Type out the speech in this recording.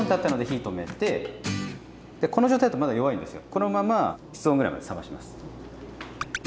このまま室温ぐらいまで冷まします。